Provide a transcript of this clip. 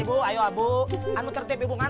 jangan jangan jangan